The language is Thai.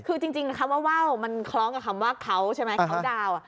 คือจริงคำว่าว่าวมันคล้องกับคำว่าเขาใช่ไหมเขาดาว